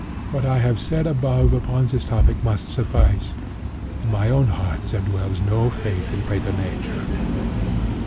What I have said above upon this topic must suffice. In my own heart there dwells no faith in præter nature.